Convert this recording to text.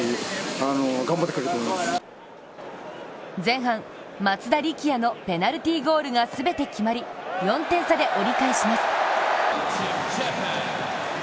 前半、松田力也のペナルティーゴールが全て決まり４点差で折り返します。